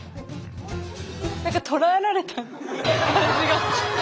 何か捕らえられた感じが。